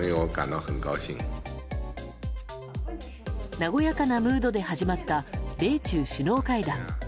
和やかなムードで始まった米中首脳会談。